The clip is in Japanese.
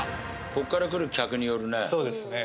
ここから来る客によるね